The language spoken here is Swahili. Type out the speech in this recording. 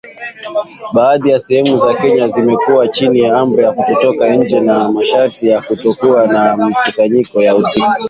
Baadhi ya sehemu za Kenya zimekuwa chini ya amri ya kutotoka nje na kuna masharti ya kutokuwa na mikusanyiko ya usiku.